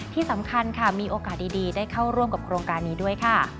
ที่สำคัญค่ะมีโอกาสดีได้เข้าร่วมกับโครงการนี้ด้วยค่ะ